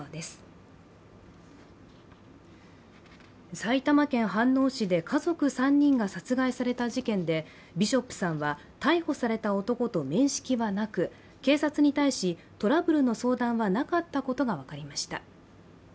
埼玉県飯能市で家族３人が殺害された事件でビショップさんは逮捕された男と面識はなく警察に対しトラブルの相談はなかったことが分かりました。